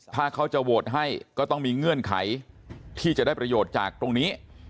ถ้าเขาจะโหวตให้ก็ต้องมีเงื่อนไขที่จะได้ประโยชน์จากตรงนี้